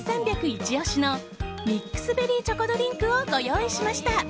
イチ押しのミックスベリーチョコドリンクをご用意しました。